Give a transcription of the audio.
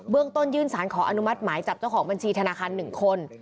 ต้นยื่นสารขออนุมัติหมายจับเจ้าของบัญชีธนาคาร๑คน